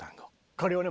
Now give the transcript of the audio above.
これをね